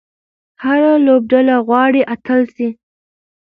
هره لوبډله غواړي اتله سي.